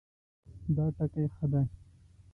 دا ټکی ښه دی